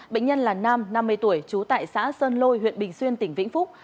bệnh nhân là nam năm mươi tuổi trú tại xã sơn lôi huyện bình xuyên tỉnh vĩnh phúc